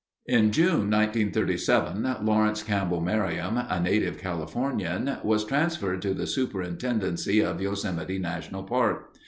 In June, 1937, Lawrence Campbell Merriam, a native Californian, was transferred to the superintendency of Yosemite National Park.